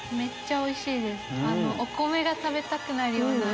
お米が食べたくなるような。